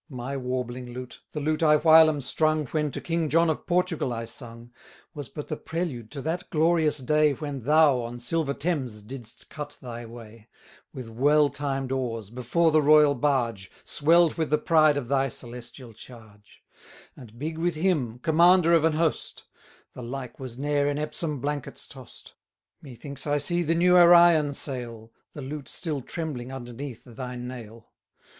My warbling lute, the lute I whilom strung, When to king John of Portugal I sung, Was but the prelude to that glorious day, When thou on silver Thames didst cut thy way, With well timed oars before the royal barge, Swell'd with the pride of thy celestial charge; 40 And big with hymn, commander of an host, The like was ne'er in Epsom blankets toss'd. Methinks I see the new Arion sail, The lute still trembling underneath thy nail.